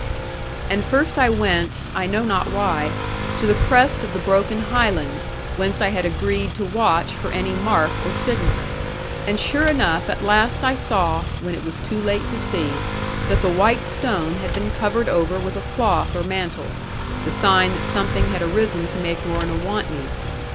And first I went, I know not why, to the crest of the broken highland, whence I had agreed to watch for any mark or signal. And sure enough at last I saw (when it was too late to see) that the white stone had been covered over with a cloth or mantle, the sign that something had arisen to make Lorna want me.